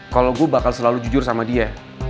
kalau gue bakal selalu jujur sama dia